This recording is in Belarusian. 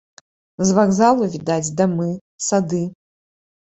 З вакзалу відаць дамы, сады.